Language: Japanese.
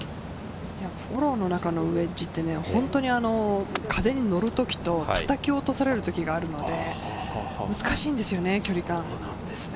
フォローの中のウエッジは本当に風に乗るときと叩き落とされる時があるので、難しいんですよね、距離感が。